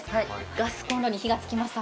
ガスコンロに火が付きました。